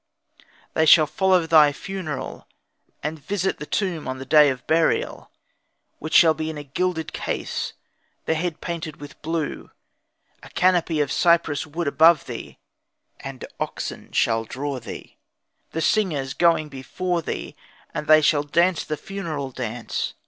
They shall follow thy funeral, and visit the tomb on the day of burial, which shall be in a gilded case, the head painted with blue, a canopy of cypress wood above thee, and oxen shall draw thee, the singers going before thee, and they shall dance the funeral dance.